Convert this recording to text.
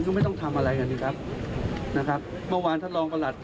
ก็ไม่ต้องทำอะไรกันสิครับนะครับเมื่อวานท่านรองประหลัด